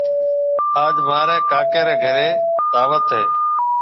آج مهاريَ ڪاڪي رَي گھريَ دعوت هيَ۔